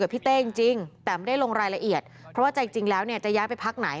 เพราะว่าใจจริงแล้วจะย้างไปพักไหน